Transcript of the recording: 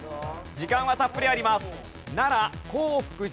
時間はたっぷりあります。